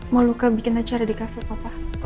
moluka bikin acara di kafe papa